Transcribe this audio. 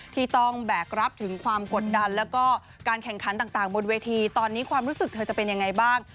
ที่ต้องแบกรับถึงความกดดันแล้วก็การแข่งขันต่างบนเวทีตอนนี้ความรู้สึกเธอจะเป็นยังไงบ้าง